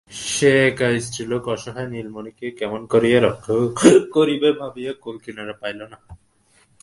সে একা স্ত্রীলোক, অসহায় নীলমণিকে কেমন করিয়া রক্ষা করিবে ভাবিয়া কূলকিনারা পাইল না।